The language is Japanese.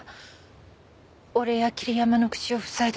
俺や桐山の口を塞いでも無駄だ。